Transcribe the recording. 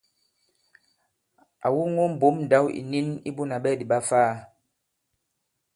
À woŋo mbǒm ndǎw ìnin i Bunà Ɓɛdì ɓa Ifaa.